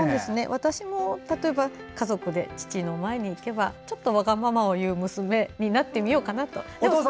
私も例えば家族で父の前に行けばちょっとわがままを言う娘になってみようかなと。